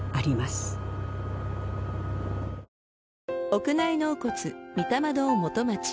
屋内納骨御霊堂元町。